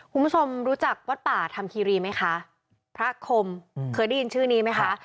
คุณผู้ชมรู้จักวัดป่าธรรมคีรีไหมคะพระคมเคยได้ยินชื่อนี้ไหมคะ